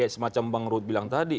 seperti bang ruth bilang tadi